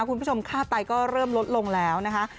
คุณผู้ชมค่าไตก็เริ่มลดลงแล้วนะคะ